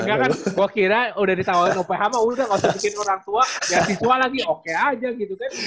enggak kan gue kira udah ditawarin sama phma udah gak usah bikin orang tua ya siswa lagi oke aja gitu kan